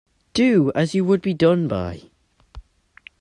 Do as you would be done by.